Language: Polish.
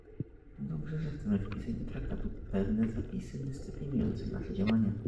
Dobrze, że chcemy wpisać do traktatu pewne zapisy dyscyplinujące nasze działania